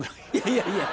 いやいや！